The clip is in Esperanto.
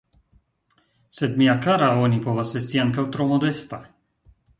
Sed mia kara, oni povas esti ankaŭ tro modesta.